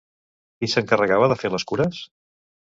Qui s'encarregava de fer les cures?